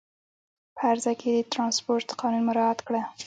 په هر ځای کې د ترانسپورټ قانون مراعات کړه.